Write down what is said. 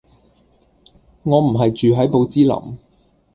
我唔係住係寶芝林